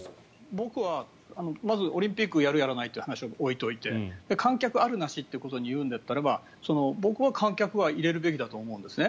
僕はまずオリンピックやるやらないという話は置いておいて観客あるなしということで言うんだったら僕は観客は入れるべきだと思うんですね。